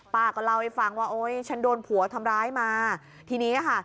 ป้าก็เล่าให้ฟังว่าโอ๊ยฉันโดนผัวทำร้ายมาทีนี้ค่ะ